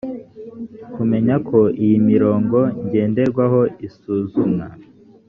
kumenya ko iyi mirongo ngenderwaho isuzumwa